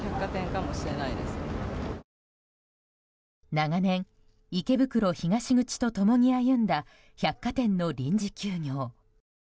長年、池袋東口と共に歩んだ百貨店の臨時休業。